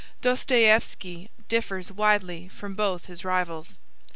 Dostoieffski differs widely from both his rivals.